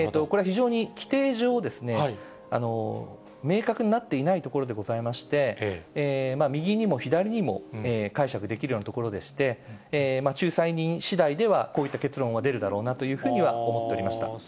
これは非常に規定上、明確になっていないところでございまして、右にも左にも解釈できるようなところでして、仲裁人しだいでは、こういった結論が出るだろうなというふうには思っておりました。